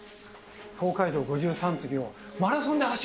東海道五十三次をマラソンで走るんだよ！